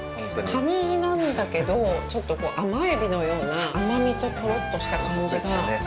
カニなんだけど、ちょっとこう甘エビのような甘みと、とろっとした感じが。